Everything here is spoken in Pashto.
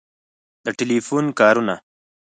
د ټیلیفون کارونه